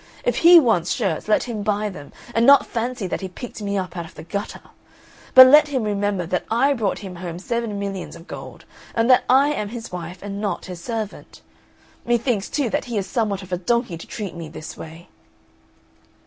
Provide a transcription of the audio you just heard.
If he wants shirts let him buy them, and not fancy that he picked me up out of the gutter. But let him remember that I brought him home seven millions of gold, and that I am his wife and not his servant. Methinks, too, that he is somewhat of a donkey to treat me this way!"